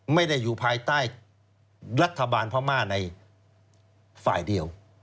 ไม่ได้อยู่ภายใต้รัฐบาลพม่าในฝ่ายเดียว